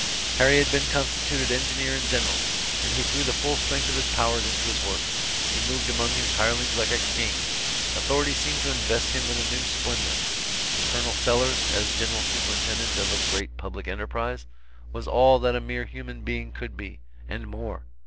Harry had been constituted engineer in general, and he threw the full strength of his powers into his work. He moved among his hirelings like a king. Authority seemed to invest him with a new splendor. Col. Sellers, as general superintendent of a great public enterprise, was all that a mere human being could be and more.